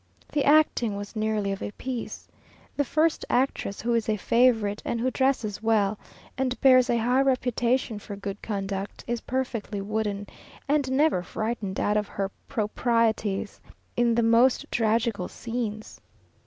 The acting was nearly of a piece. The first actress, who is a favourite, and who dresses well, and bears a high reputation for good conduct, is perfectly wooden, and never frightened out of her proprieties in the most tragical scenes.